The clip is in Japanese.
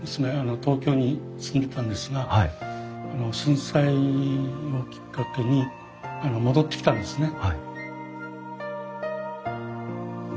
東京に住んでたんですが震災をきっかけに戻ってきたんですね。